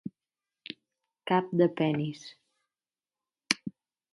Cap de penis.